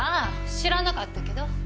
知らなかったけど。